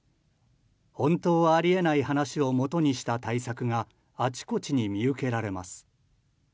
本当はあり得ない話をもとにした対策があちこちに見受けられます。